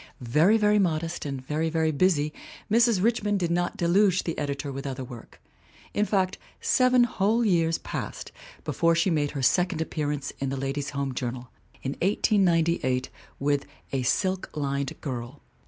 Very, very modest, and very, very busy, Mrs. Rich mond did not deluge the editor with other work. In fact, seven whole years passed before she made her second appearance in the Ladies' Home Journal, in 1898, with A Silk Lined Girl.